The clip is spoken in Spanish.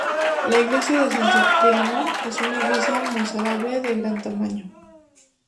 La iglesia de San Cipriano es una iglesia mozárabe de gran tamaño.